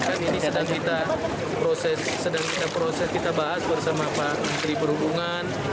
dan ini sedang kita proses sedang kita proses kita bahas bersama pak menteri perhubungan